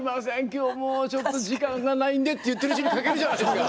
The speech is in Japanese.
今日もうちょっと時間がないんで」って言ってるうちに書けるじゃないですか。